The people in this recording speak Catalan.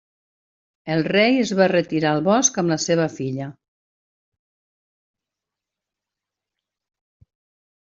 El rei es va retirar al bosc amb la seva filla.